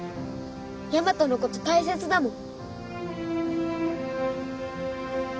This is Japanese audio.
ヤマトのこと大切だもん